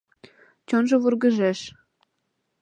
Чонжо вургыжеш.